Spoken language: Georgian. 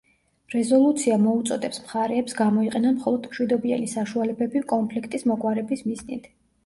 რეზოლუცია მოუწოდებს მხარეებს გამოიყენონ მხოლოდ მშვიდობიანი საშუალებები კონფლიქტის მოგვარების მიზნით.